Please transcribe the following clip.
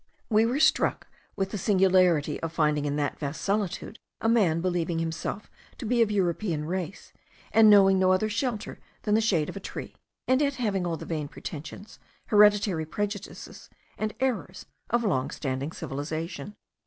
We were struck with the singularity of finding in that vast solitude a man believing himself to be of European race and knowing no other shelter than the shade of a tree, and yet having all the vain pretensions, hereditary prejudices, and errors of long standing civilization!